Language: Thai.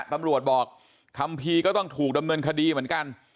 ตำรวจบอกคัมภีร์ก็ต้องถูกดำเนินคดีเหมือนกัน